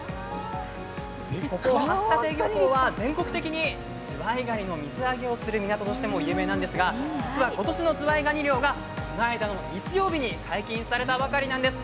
橋立漁港は全国的にズワイガニの水揚げをする港としても有名なんですが実は今年のズワイガニ漁がこの間の日曜日に解禁されたばかりなんです。